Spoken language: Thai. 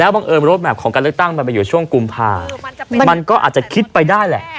บังเอิญรถแมพของการเลือกตั้งมันไปอยู่ช่วงกุมภามันก็อาจจะคิดไปได้แหละ